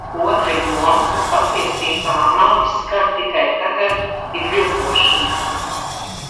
Otra joma, kas patiesībā mani skar tikai tagad, ir viltošana.